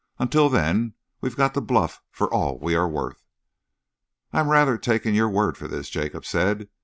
Until then, we've got to bluff for all we are worth." "I am rather taking your word for this," Jacob said.